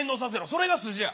それが筋や。